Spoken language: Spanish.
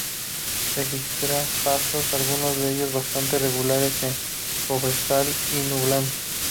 Registra pasos -algunos de ellos bastante regulares- en Cobresal y Ñublense.